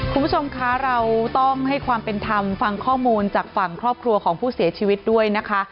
คุณผู้ชมคะเราต้องให้ความเป็นธรรมฟังข้อมูลจากฝั่งครอบครัวของผู้เสียชีวิตด้วยนะคะ